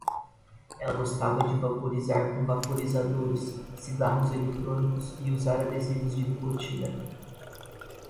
Ela gostava de vaporizar com vaporizadores, cigarros eletrônicos e usar adesivos de nicotina